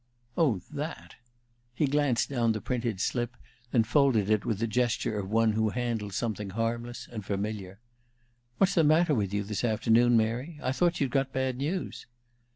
"Oh, that!" He glanced down the printed slip, and then folded it with the gesture of one who handles something harmless and familiar. "What's the matter with you this afternoon, Mary? I thought you'd got bad news."